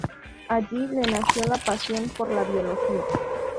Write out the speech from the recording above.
Allí le nació la pasión por la Biología.